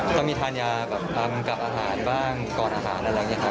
ต้องมีทานยากับอาหารบ้างก่อนอาหารอะไรแบบนี้ค่ะ